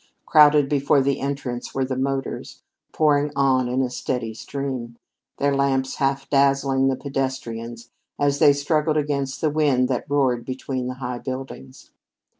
Crowded before the entrance were the motors, pouring on in a steady stream, their lamps half dazzling the pedestrians as they struggled against the wind that roared between the high buildings.